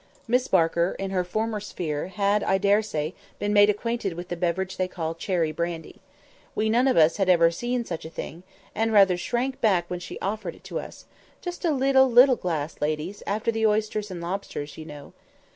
Miss Barker, in her former sphere, had, I daresay, been made acquainted with the beverage they call cherry brandy. We none of us had ever seen such a thing, and rather shrank back when she proffered it us—"just a little, leetle glass, ladies; after the oysters and lobsters, you know.